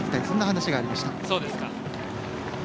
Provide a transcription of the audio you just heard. そんな話がありました。